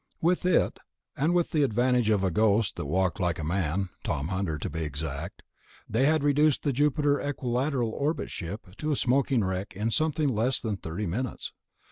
With it, and with the advantage of a ghost that walked like a man ... Tom Hunter, to be exact ... they had reduced the Jupiter Equilateral orbit ship to a smoking wreck in something less than thirty minutes.